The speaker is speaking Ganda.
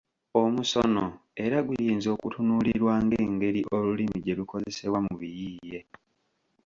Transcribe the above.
Omusono era guyinza okutunuulirwa ng'engeri olulimi gye lukozesebwa mu biyiiye.